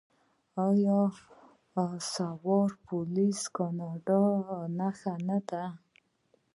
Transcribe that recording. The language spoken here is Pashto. آیا سوار پولیس د کاناډا نښه نه ده؟